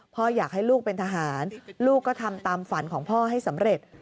พ่ออยากให้ลูกเป็นทหารลูกก็ทำตามฝันของพ่อให้สำเร็จ